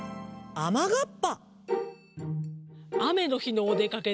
「あまがっぱ」